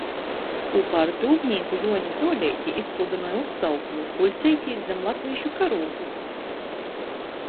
Kūpā ar dūmnīku Juoni Zuoleiti izsludynoj uzsaukumu "Puļcejitēs zam latvīšu karūgu!".